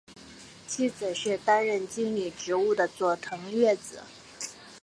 妻子是担任经理职务的佐藤悦子。